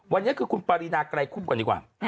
วันนี้คือคุณปารีนาไกรคุบก่อนดีกว่า